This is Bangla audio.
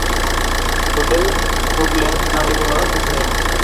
হোটেল পোর্টল্যান্ড নামে কোনো কিছু নেই।